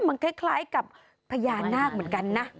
มันคล้ายกับพญานาคเหมือนกันนะ